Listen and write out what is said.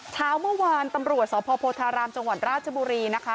เช้าเมื่อวานตำรวจสพโพธารามจังหวัดราชบุรีนะคะ